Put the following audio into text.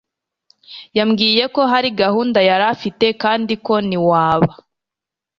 yambwiye ko hari gahunda yarafite kandi ko niwaba